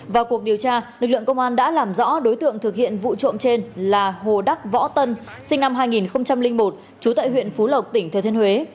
vào cuộc điều tra lực lượng công an đã làm rõ đối tượng thực hiện vụ trộm trên là hồ đắc võ tân sinh năm hai nghìn một trú tại huyện phú lộc tỉnh thừa thiên huế